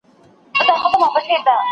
¬ اوړه دي پر اوړه، منت دي پر څه؟